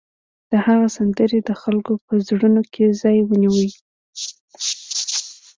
د هغه سندرې د خلکو په زړونو کې ځای ونیو